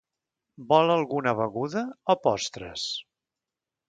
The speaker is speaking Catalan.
Vol alguna beguda o postres?